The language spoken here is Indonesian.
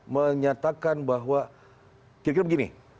menyatakan bahwa kira kira begini